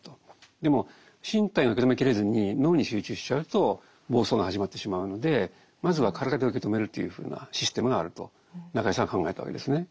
でも身体が受け止めきれずに脳に集中しちゃうと暴走が始まってしまうのでまずは体で受け止めるというふうなシステムがあると中井さんは考えたわけですね。